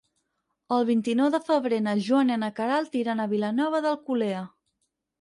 El vint-i-nou de febrer na Joana i na Queralt iran a Vilanova d'Alcolea.